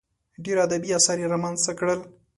ډېر ادبي اثار یې رامنځته کړل.